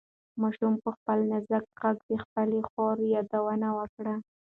ماشوم په خپل نازک غږ کې د خپلې خور یادونه وکړه.